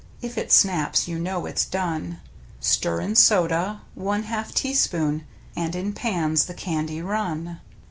If it snaps you know it's done. Stir in soda — one half teaspoon — And in pans the candy run.